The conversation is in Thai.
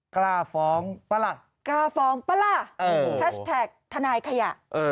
กล้าฟ้องปล่าแฮชแท็กทนายขยะ